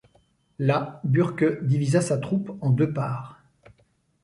Là, Burke divisa sa troupe en deux parts.